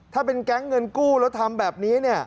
ถ้าเป็นแก๊งเงินกู้แล้วทำแบบนี้เนี่ย